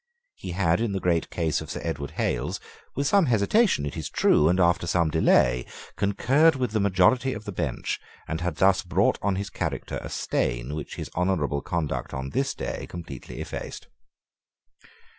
He had, in the great case of Sir Edward Hales, with some hesitation, it is true, and after some delay, concurred with the majority of the bench, and had thus brought on his character a stain which his honourable conduct on this day completely effaced.